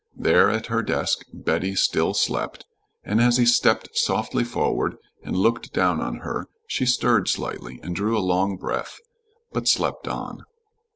There at her desk Betty still slept, and as he stepped softly forward and looked down on her she stirred slightly and drew a long breath, but slept on.